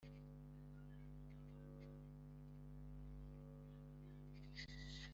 ho hose mu gihugu byemejwe n inteko rusange ku